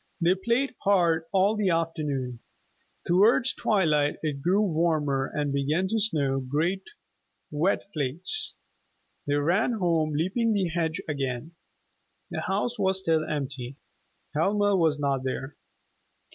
They played hard all the afternoon. Towards twilight it grew warmer and began to snow, great wet flakes. They ran home, leaping the hedge again. The house was still empty. Helma was not there.